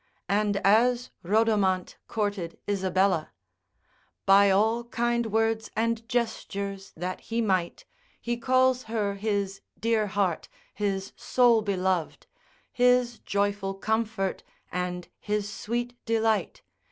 And as Rhodomant courted Isabella: By all kind words and gestures that he might, He calls her his dear heart, his sole beloved, His joyful comfort, and his sweet delight.